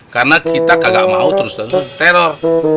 karena kita kagak mau terus terus teror